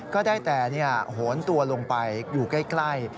ก็ได้แต่โหนตัวลงไปอยู่ใกล้